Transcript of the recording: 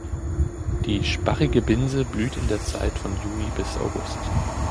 Die Sparrige Binse blüht in der Zeit von Juni bis August.